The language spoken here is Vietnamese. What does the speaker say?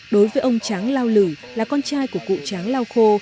đối với ông tráng lao lử là con trai của cụ tráng lao khô